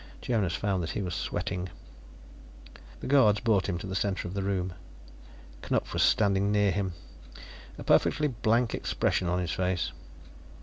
Jonas found that he was sweating. The guards brought him to the center of the room. Knupf was standing near him, a perfectly blank expression on his face.